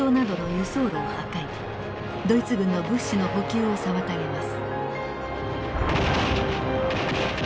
ドイツ軍の物資の補給を妨げます。